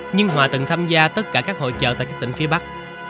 nhưng hòa từng tham gia tất cả các hội trợ tại các tỉnh phía bắc